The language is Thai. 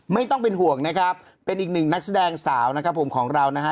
ไม่ต้องเป็นห่วงนะครับเป็นอีกหนึ่งนักแสดงสาวนะครับผมของเรานะฮะ